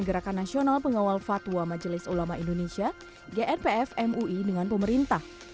gerakan nasional pengawal fatwa majelis ulama indonesia gnpf mui dengan pemerintah